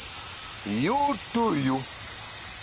Yu’ tu yu.